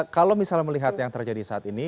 kalau misalnya melihat yang terjadi saat ini